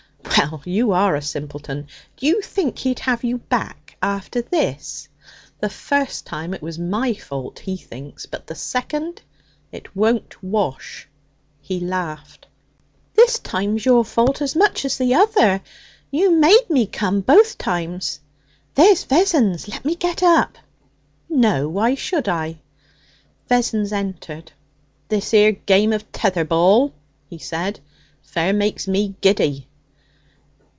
'Well, you are a simpleton! D'you think he'd have you back after this? The first time it was my fault, he thinks; but the second! It won't wash.' He laughed. 'This time's your fault as much as the other. You made me come both times. There's Vessons! Leave me get up.' 'No. Why should I?' Vessons entered. 'This 'ere game of tether ball,' he said, 'fair makes me giddy.'